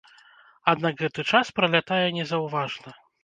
Аднак гэты час пралятае незаўважна.